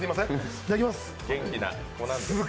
いただきます。